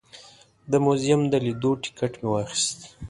د موزیم د لیدو ټکټ مې واخیست.